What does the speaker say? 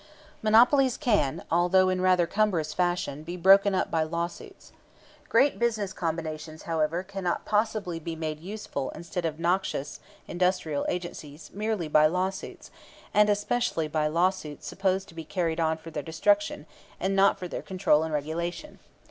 Monopolies can, although in rather cumbrous fashion, be broken up by law suits. Great business combinations, however, cannot possibly be made useful instead of noxious industrial agencies merely by law suits, and especially by law suits supposed to be carried on for their destruction and not for their control and regulation.